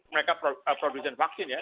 mereka provision vaksin ya